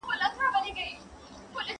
زه هره ورځ پاکوالي ساتم؟